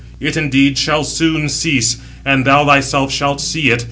It, indeed, shall soon cease, and thou thyself shalt see it.